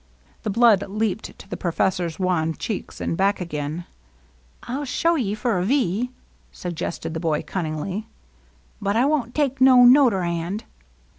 The blood leaped to the professor's wan cheeks, and back again. " I 'U show ye for a V," suggested the boy cun ningly. ^' But I won't take no noter hand.